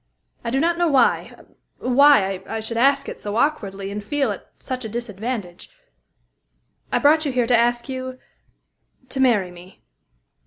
I do not know why why I should ask it so awkwardly, and feel at such a disadvantage. I brought you here to ask you to marry me."